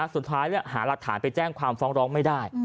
สุดท้ายหาหลักฐานไปแจ้งความฟ้องร้องไม่ได้